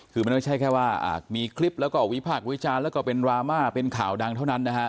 คือมันไม่ใช่แค่ว่ามีคลิปแล้วก็วิพากษ์วิจารณ์แล้วก็เป็นดราม่าเป็นข่าวดังเท่านั้นนะฮะ